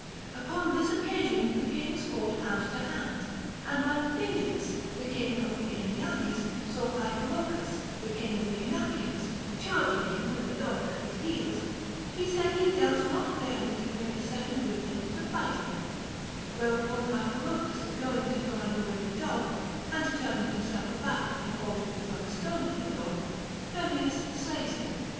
Upon this occasion the kings fought hand to hand ; and when Phemius, the king of the Aenianes, saw Hyperochus, the king of the Inachians, charging him with a dog at his heels, he said he dealt not fairly to bring a second with him to fight him ; whereupon Hyperochus going to drive away the dog, and turning himself about in order to throw a stone at the dog, Phe mius slays him.